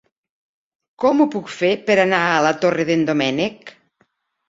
Com ho puc fer per anar a la Torre d'en Doménec?